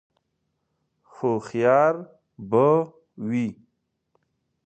_هوښيار به وي؟